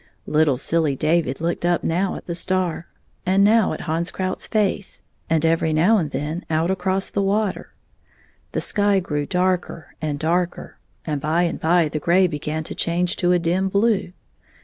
Little silly David looked up now at the star, and now at Hans Krouf s face, and every now and then out across the water. The sky grew darker and darker, and by and by the gray be gan to change to a dim blue.